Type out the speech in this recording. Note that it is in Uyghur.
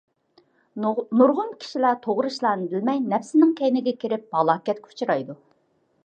نۇرغۇن كىشىلەر توغرا ئىشلارنى بىلمەي نەپسىنىڭ كەينىگە كىرىپ، ھالاكەتكە ئۇچرايدۇ.